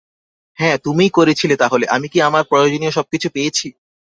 হ্যা তুমিই করেছিলে তাহলে, আমি কি আমার প্রয়োজনীয় সবকিছু পেয়েছি?